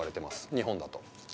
日本だと。